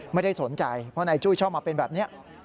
ไม่ได้สนใจเพราะนายจุ้ยชอบมาเป็นแบบนี้